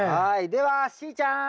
ではしーちゃん！